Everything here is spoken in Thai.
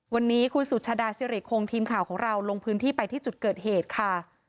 วันนี้คุณสุชาดาสิริคงทีมข่าวของเราลงพื้นที่ไปที่จุดเกิดเหตุค่ะ